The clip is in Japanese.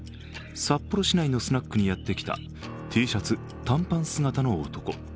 札幌市内のスナックにやってきたＴシャツ、短パン姿の男。